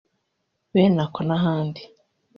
Benako n’ahandi